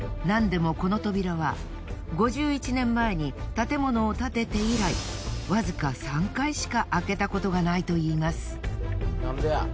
なんでもこの扉は５１年前に建物を建てて以来わずか３回しか開けたことがないといいます。